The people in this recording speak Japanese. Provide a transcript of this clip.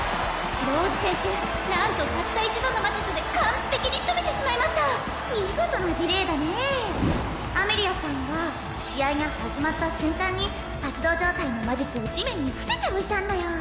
ローズ選手何とたった一度の魔術で完璧に仕留めてしまいました見事なディレイだねアメリアちゃんは試合が始まった瞬間に発動状態の魔術を地面に伏せておいたんだよ